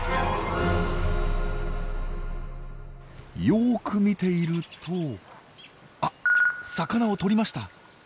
よく見ているとあっ魚をとりました！